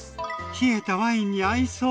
冷えたワインに合いそう！